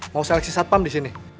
mau seleksi satpam di sini